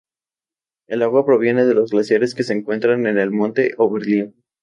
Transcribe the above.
El agua proviene de los glaciares que se encuentran en el monte Oberlin.